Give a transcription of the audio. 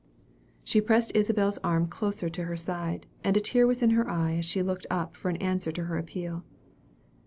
She pressed Isabel's arm closer to her side, and a tear was in her eye as she looked up for an answer to her appeal.